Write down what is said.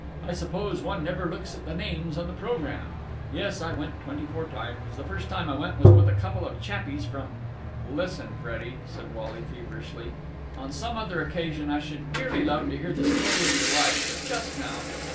I suppose one never looks at the names on the programme. Yes, I went twenty four times The first time I went was with a couple of chappies from...." "Listen, Freddie!" said Wally feverishly. "On some other occasion I should dearly love to hear the story of your life, but just now...."